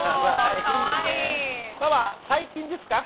ママ最近ですか？